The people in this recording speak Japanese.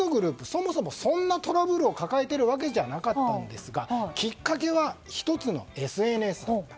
そもそもそんなトラブルを抱えているわけじゃなかったんですがきっかけは１つのＳＮＳだった。